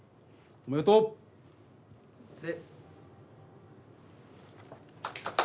おめでとうね。